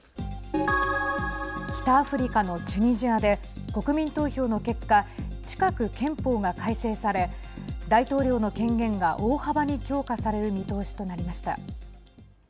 北アフリカのチュニジアで国民投票の結果近く、憲法が改正され大統領の権限が大幅に強化される見通しとなりました。